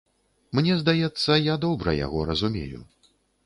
Мне здаецца, я добра яго разумею.